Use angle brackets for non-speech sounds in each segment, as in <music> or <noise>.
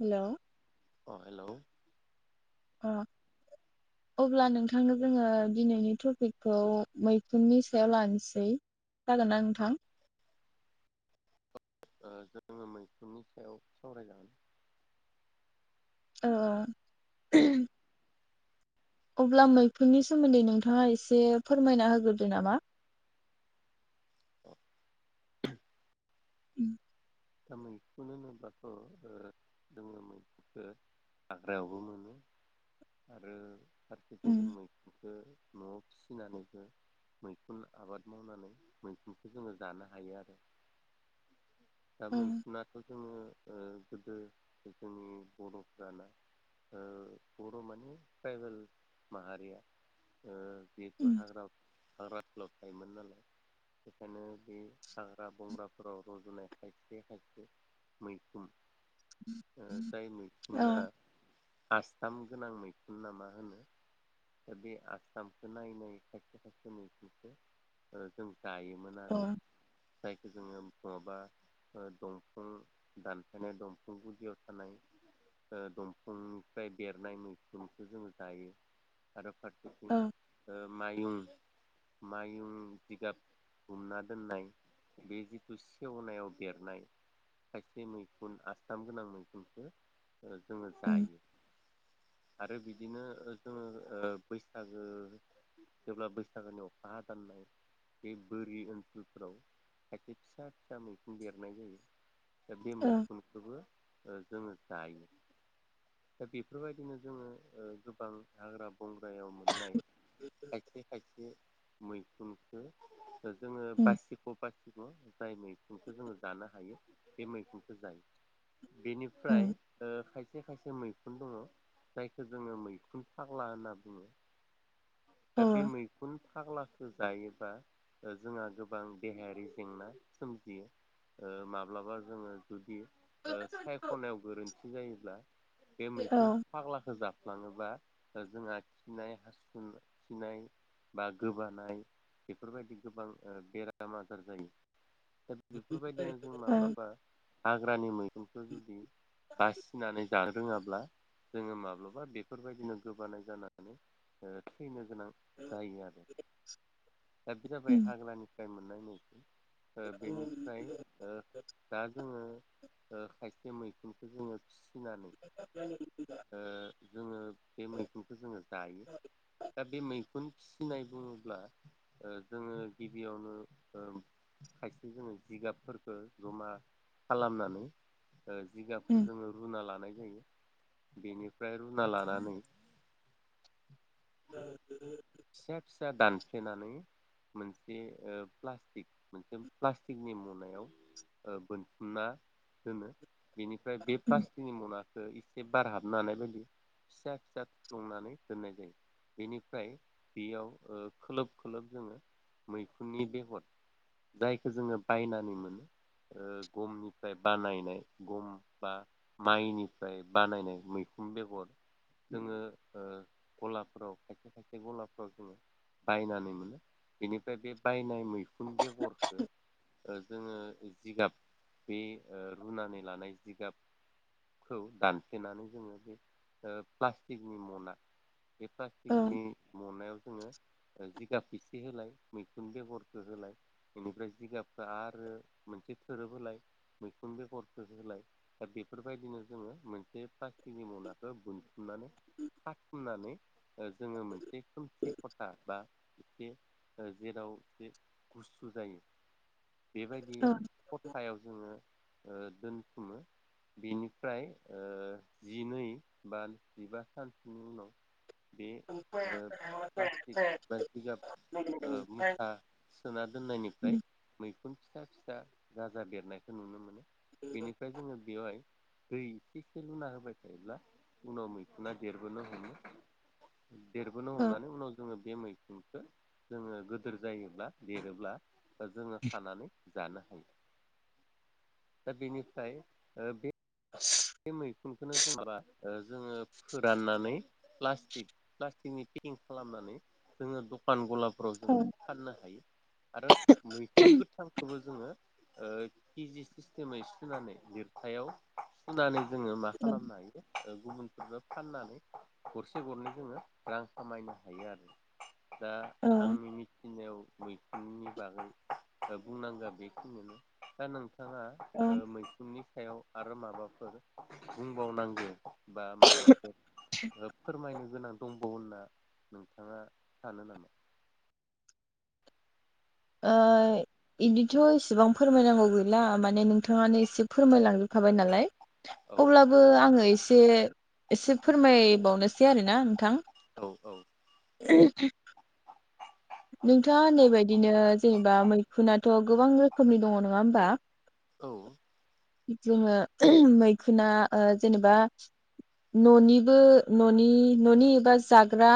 Hello अ hello अ अब्ला नोंथांनो जोङो दिनैनि टपिकखौ मैखुननि सायाव लानोसै जागोन ना नोंथां ओ जोङो मैखुननि सायाव सावरायजागोन। औ अब्ला मैखुननि सोमोन्दै नोंथाङा एसे फोरमायना होग्रोदो नामा। उम दा मैखुन होनोब्लाथ' ओ जोङो मैखुनखौ हाग्रायावबो मोनो ओ आरो फारसेथिं उम जों मैखुनखौ न'आव फिसिनानैबो मैखुन आबाद मावनानै मैखुनखौ जोङो जानो हायो आरो। दा औ मैखुनाथ' जोङो ओ गोदो जोंनि बर'फ्राना ओ बर' माने ट्राइबेल माहारिया ओ बेखौ हाग्रा हाग्रा ओनसोलाव थायोमोन नालाय बेखायनो बे हाग्रा बंग्राफोराव रज'नाय खायसेे खायसे मैखुन ओ जाय मैखुना आसथाम गोनां मैखुन ना मा होनो दा बे आसथामखौ नायै नायै खायसे खायसे मैखुनखौ ओ जों जायोमोन औ आरो। जायखौ जोङो नङाबा ओ दंफां दानफायनाय दंफां गुदियाव थानाय ओ दंफांनिफ्राय बेरनाय मैखुनखौ जों जायो आरो फा औ मायुं मायुं जिगाब हुमना दोननाय बे जिथु सेवनायाव बेरनाय खायसे मैखुन आसथाम गोनां मैखुनखौ ओ जोङो उम जायो आरो बिदिनो जोङो ओ बैसागो जेब्ला बैसागोनि अखा हदाननाय बे बोरि ओनसोलफोराव खायसे फिसा फिसा मैखुन बेरनाय जायो एब बे औ मैखुनखौबो ओ जोङो जायो दा बेफोरबायदिनो जोङो गोबां हाग्रा बंग्रायाव मोननाय खायसे खायसे मैखुनखौ जोङो उम बासिग' बासिग' जाय मै खुनखौ जोङो जानो हायो बे मैगुनखौ जायो बेनिफ्राय उम ओ खायस खायसे खायसे मैखुन दङ जायखौ जोङो मैखुन फाग्ला होनना बुङो औ दा बे मैखुन फाग्ला खो जायोबा जोंहा गोबां देहायारि जेंना सोमजियो माब्लाबा जोङो जुदि ओ सायख'नायाव गोरोन्थि जायोब्ला बे औ मैखुन फाग्लाखौ जा लांङोबा जोंहा खिनाय हासुना खिनाय बा गोबानाय बेफोरबायदि गोबां ओ बेराम आजार जायो दा बेफोरबायदिनो जों माब्लाबा हाग्रानि मैगंखौ जुदि बासिनानै जानो रोंङाब्ला जोंङो माब्लाबा बेफोरबायदिनो गोबानाय जानानै ओ थैनो गोनां जायो आरो दा बे उम जाबाय हाग्रानि सिनाय मोननाय मैखुन ओ औ बेनिफ्राय ओ दा जोंङो ओ खायसे मैखुनखौ जोंङो फि फिनानै ओ जोंङो बे मैखुनखौ जोंङो जायो बे मैखुन फिसिनाय बुङोब्ला ओ जोंङो गिबियावनो ओ खायसे जोंङो जिगाबफोरखौ जमा खालामनानै ओ जिगाबखौ जोंङो रुना लानाय जायो बेनिफ्राय रुना लानानै <unintelligible> फिसा फिसा दानफ्लेनानै मोनसे ओ प्लास्टिक मोनसे प्लास्टिकनि मनायाव ओ बोनथुमना दोनो बिनिफ्राय बे प्लास्टिनि मना ओ एसे बारहाबानो हानाय बायदि फिसा फिसा थुफ्लुंनानै दोननाय जायो बिनिफ्राय बेयाव ओ खोलोब खोलोब जोंङो मैखुननि बेगर जायखौ जोंङो बायनानै मोनो ओ गमनिफ्राय बानायनाय गम बा माइनिफ्राय बानायनाय मैखुन बेगर जोंङो ओ गलाफोराव खायसे खायसे गलाफ्राव जोंङो बायनानै मोनो बेनिफ्राय बे बायनाय मैखुन बेगरखौ ओ जोंङो जिगाब बे ओ रुनानै लानाय जिगाबखौ दानफ्लेनानै जोंङो बे ओ प्लास्टिकनि मना बे औ फ्लास्टिखनि मनायाव जोंङो ओ जिगाब इसे होलाय मैखुन बेगरखौ होलाय बेनिफ्राय जिगाबखौ आरो मोनसे थोरोब होलाय मैखुन बेगरखौ होलाय दा बेफोरबायदिनो जोंङो मोनसे प्लास्टिकनि मनाखौ बुन्थुमनानै खाथुमनानै ओ जोंङो मोनसे एसे खोमसि खथा बा एसे ओ- जेराव एसे गुसु जायो। बेबायदि खथायाव जोंङो‌ ओ-दोनथुमो बिनिफ्राय ओ- जिनै बा जिबा सानसोनि उनाव। बे नो प्लास्टिक बा जिगाब ओ- मुखा सोना दोननायनिफ्राय मैख मैखुन फिसा फिसा गाजा बेरनायखौ नुनो मोनो। बेनिफ्राय जोंङो बेवहाय। दै एसे एसे लुना होबाय थायोब्ला उनाव मैखुना देरबोनो हमो। देरबोनो हमनानै उनाव जोंङो। बे मैखुनखौ जोंङो गोदोर जायोब्ला देरोब्ला। बा जोंङो खानानै‌ जानो हायो दा बेनिफ्राय ओ- बे बे मैखुनखौनो जों माबा ओ-जोंङो फोराननानै प्लास्टिक प्लास्टिकनि पिकिं खालामनानै जोंङो दखान गला फोराव जोंङो फाननो हायो। आरो औ मैखुन गोथांखौबो जोङो ओ- केजि सिस्टेमै सुनानै लिरथायाव। नानै जोङो मा औ खालामनो हायो ओ-गुबुन बेखौ फाननानै गरसे गरनै जोङो रां खामायनो हायो आरो दा ओ आंनि मिथिनायाव मैखुननि बागै बुंनांगौ बेखिनिनो दा नोंथां। नोंथाङा ओ ओ-मैखुननि सायाव आरो माबा। फोरा बुंबावनांगौ बा माइबा प फोरमायनो गोनां दंबावो होनना नोंथाङा सानो नामा? ओ- इदिथ' एसेबां फोरमायनांगौ गैला माने नोंथाङानो एसे फोरमायलांजोबखाबाय नालाय। औ अब्लाबो आङो एसे। एसे फोरमायबावनोसै आरोना नोंथां। औ औ ए नोंथाङा होन्नाय बायदिनो जेनेबा मैखुुनथ' गोबां रोखोमनि दङ नङा होमबा? औ जोङो मैखुना ओ- जेनेबा न'निबो न'नि न'नि एबा जाग्रा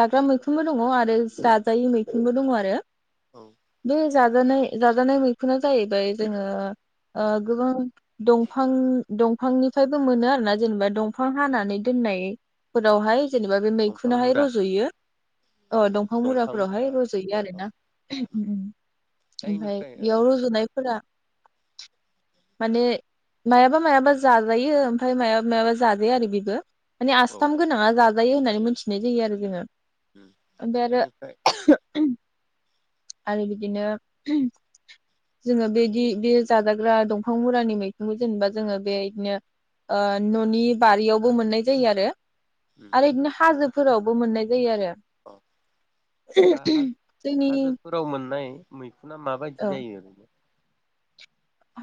जाग्रा मैखुनबो दङ आरो जा जायै मैखंबो दङ आरो‌। औ <unintelligible> जाजानाय जाजानाय मैखुना जाहैबाय जोङो ओ- गोबां दफां दंफांनिफ्रायबो मोनो आरोना जेनेबा दंफां हानानै दोननायफोरावहाय। जेनेबा बे दंफां मैखुनहाय मुरा रज'यो औ दंफां मुरा। बेहाय रजयो आरो ना दा ओमफ्राय इनिफ्राय बेयाव रजनायफोरा। माने मायाबा मायाबा जाजायो ओमफ्राय मायाबा मायाबा जाजाया आरो बेबो माने औ आसथाम गोनाङा जाजा जायो होननानै मिथिनाय जायो आरो जोङो ओ ओमफ्राय आरो इनिफ्राय आरो बिदिनो जोङो बेदि बे जाजाग्रा दंफां मुरानि मैखुनखौ जेनेबा जोङो बे बिदिनो ननि बारियावबो मोननाय जायो आरो आरो बिदिनो हाजोब फोरावबो मोननाय जायो आरो औ दा हाजं जोंनि हाजोफोराव मोननाय मैखुन ना माबायदि औ जायो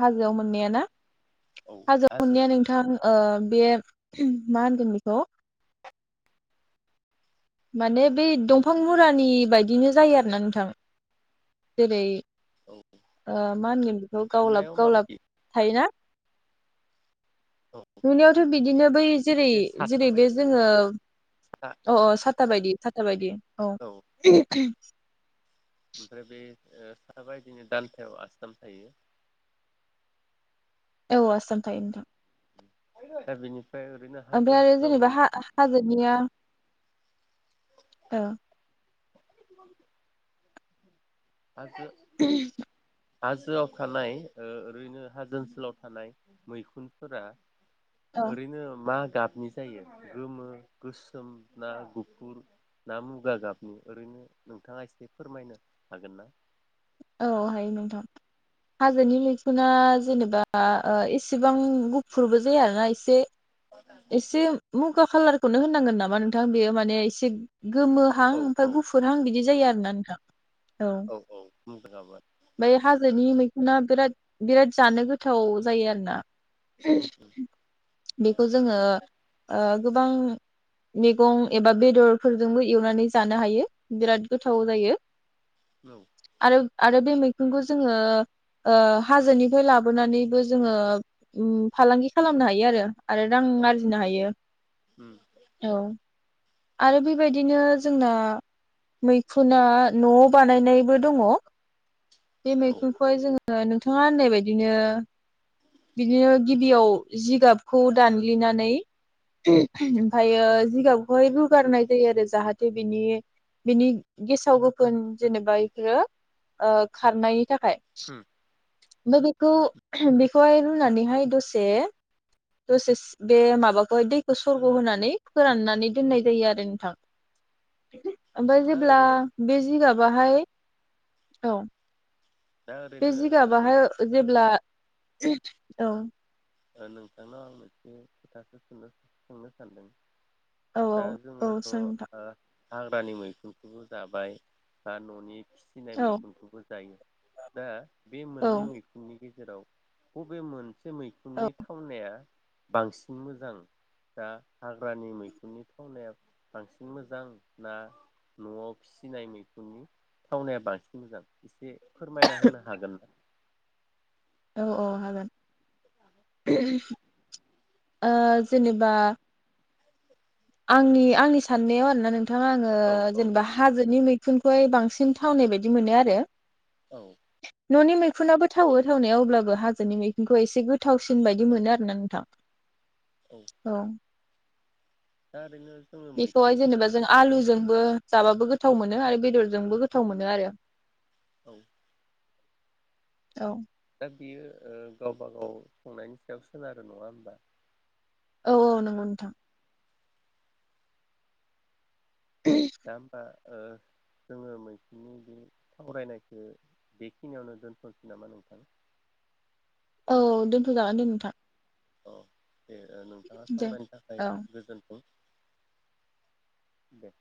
हाजोआव मोननाया ना हाजो मोननाया नोंथां ओ बे मा होनगोन बेखौ माने बै दंफां मुरानि बायदिनो जायो आरोना नोंथां जेरै औ मा होनगोन बेखौ गावलाब नुनायाव गावलाब माबायदि थायोना औ नुनायावथ बिदिनो बै जेरै बे साथा जेरै बे बायदि जोङो सा अ साथ साथा बायदि साथा बायदि औ <inaudible> ओमफ्राय बे साथा बायदिनो दान्थायाव आसथाम थायो औ आसथाम थायो नोंथां <inaudible> दा बिनिफा ओमफ्राय आरो जेनेबा ह हाजोनिया औ <inaudible> <unintelligible> हाजोआव थानाय ओरैनो हाजो ओनसोलाव थानाय मैखुनफोरा औ ओरैनो मा गाबनि जायो गोमो गोसोम ना गुफुर ना मुगा गाब ओरैनो नोंथाङा एसे फोरमायनो हागोन ना औ हायो नोंथां हाजोनि मैखु ना जेनेबा एसेबां गुफुरबो जायाना एसे <inaudible> एसे मा गाब खाालारखौनो होननांगोन नामा नोंथां बेयो माने एसे गोमोहां औ ओमफाय औ गुफुरहां बिदि जायो आरो <unintelligible> औ <inaudible> बै हाजोनि मै खुना बिराद बिराद जानो गोथाव जायो आरो ना। <inaudible> बेखौ जोङो ओ गोबां मैगं एबा बेदरफोरजोंबो एवनानै जानो हायो बिराद गोथाव जायो। औ आरो आरो बे मैखुनखौ जोङो ओ हाजोनिफ्राय लाबोनानैबो जोङो फालांगि खालामनो हायो आरो आरो रां उम आरजिनो हायो औ आरो बेबायदिनो जोंना मैखुना न' बानायनायबो दङ। बे औ मैखुनखौहाय जोङो ओ नोंथाङा होननाय बायदिनो बिदिनो गिबियाव जिगाब खौ दानग्लिनानै <unintelligible> ओमफायो जिगाबखौहाय रु गारनाय जायो आरो जाहाथे बिनि बिनि गेसाव गोफोन जेनेबा इफोरो ओ खारनाय थाखाय उम ओमफाय बेखौ बेखौहाय रुनानैहाय दसे दसेस बे माबाखौहाय दैखौ सरग' होनानै फोराननानै दोननाय जायो आरो नोंथां। <unintelligible> आमफाय दा जेब्ला ओरैनो बे जिगाब बाहाय औ दा बे ओरैनो ओ नों जिगाबाहाय जेब्ला औ ओ नोंथांनाव आं मोनसे खोथाखो सोंनो सोंनो सानदों। औ दा औ औ जोङोथ' ओ सों नोंथां हाग्रानि मैखुनखौबो जाबाय दा न'नि फिसिनाय औ मैखुनखौबो जायो दा बे औ मोननै मैखुननि गेजे राव बबे मोनसे मै औ खुननि थावनाया बांसिन मोजां दा हाग्रानि मैखुननि थावनाया बांसिन मोजां ना न'आव फिसिनाय मैखुननि थावनाया बांसिन मोजां इसे फोरमायना होनो हागोन। औ औ हागोन। <unintelligible> ओ जेनेबा आंनि आंनि साननायाव आरोना नों थां आङो औ जेनेबा हाजोनि मैखुन फाय बांसिन थावनाय बायदि मोनो आरो औ न'नि मैखुनाबो थावो थावनायाव अब्लाबो हाजोनि मैखुनखौ एसे गोथ थावसिन बायदि औ मोनो आरो ना नोंथां औ दा ओरैनो जोङो बेखौहाय मैखुनखौ जेनेबा जों आलुजोंबो जाबाबो गोथाव मोनो आरो बेदरजोंबो गोथाव मोनो आरो औ औ दा बियो ओ गावबा गाव संनायनि सायाव सोनारो नङा होमबा औ औ नोंगौ नोंथां दा होमबा ओ जोङो मैखुननि बे सावरायनायखो बेखिनियावनो दोनथ'सै नामा नोंथां औ दोनथ'जागोन दे नोंथां औ। बे नोंथाङा दे सावरायनो थाखाय औ गोजोन्थों। दे।